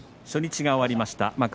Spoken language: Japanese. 初日が終わりました。